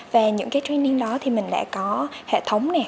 và những cái training đó thì mình đã có hệ thống nè